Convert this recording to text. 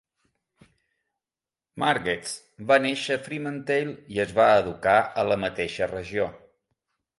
Margetts va néixer a Fremantle i es va educar a la mateixa regió.